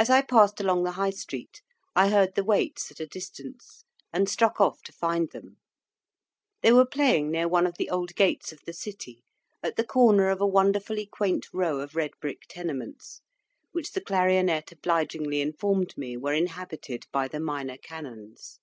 As I passed along the High Street, I heard the Waits at a distance, and struck off to find them. They were playing near one of the old gates of the City, at the corner of a wonderfully quaint row of red brick tenements, which the clarionet obligingly informed me were inhabited by the Minor Canons.